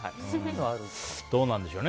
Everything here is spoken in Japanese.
どうなんでしょうね。